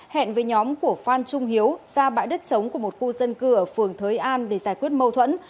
hẹn với nhóm của phan trung hiếu ra bãi đất chống của một khu dân cư ở phường thới an để giải quyết mâu thuẫn